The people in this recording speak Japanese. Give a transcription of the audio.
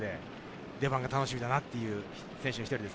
出番が楽しみだなという選手の一人です。